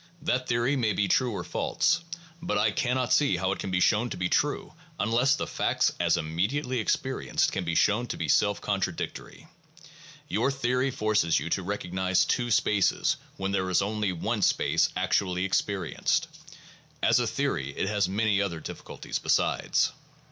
That theory may be true or false ; but I cannot see how it can be shown to be true unless the facts as immediately experienced can be shown to be self con tradictory. Your theory forces you to recognize two spaces when there is only one space actually experienced. As a theory it has many other difficulties besides.